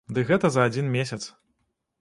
Ды гэта за адзін месяц.